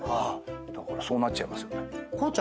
だからそうなっちゃいますよね。